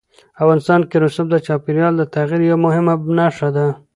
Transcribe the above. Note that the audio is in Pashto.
افغانستان کې رسوب د چاپېریال د تغیر یوه مهمه نښه ده.